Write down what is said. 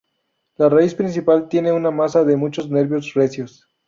La raíz principal tiene una masa de muchos nervios, recios.